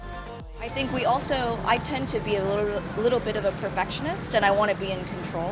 saya juga sering menjadi seorang perpek dan saya ingin berkontrol